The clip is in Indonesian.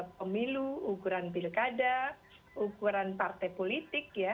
pemilu ukuran pilkada ukuran partai politik ya